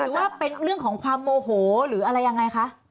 หรือว่าเป็นเรื่องของความโมโหหรืออะไรยังไงคะ